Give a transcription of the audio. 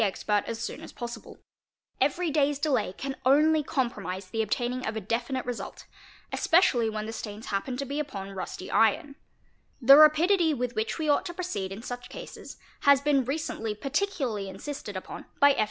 expert as soon as possible; every day's delay can only compromise the obtaining of a definite result, especially when the stains happen to b upon rusty iron 8), The rapidity with which we ought to proceed m such cases has been recently particularly insisted upon by F.